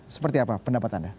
seperti apa pendapat anda